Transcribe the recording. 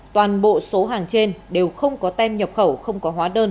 toàn bộ số hàng trên đều không có tem nhập khẩu không có hóa đơn